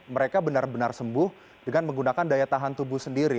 mereka benar benar sembuh dengan menggunakan daya tahan tubuh sendiri